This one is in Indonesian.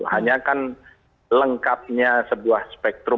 hanya kan lengkapnya sebuah spektrum